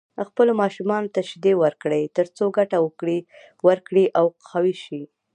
خپلو ماشومانو ته شيدې ورکړئ تر څو ګټه ورکړي او قوي شي.